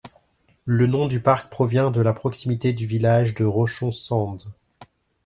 Le nom du parc provient de la proximité du village de Rochon Sands.